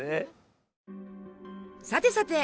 さてさて！